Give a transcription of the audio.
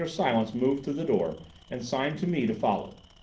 Silence moved to the door and signed to me to follow.